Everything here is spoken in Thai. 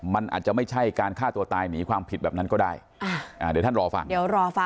มันอาจจะไม่ใช่การฆ่าตัวว่าตายหนีความผิดแบบนั้นก็ได้